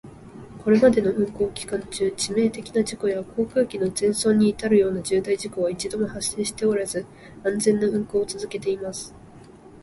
これまでの運航期間中、致命的な事故や航空機の全損に至るような重大事故は一度も発生しておらず、安全な運航を続けています。